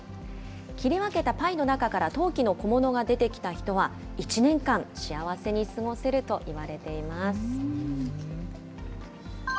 切り分けたパイの中から陶器の小物が出てきた人は、１年間、幸せに過ごせるといわれています。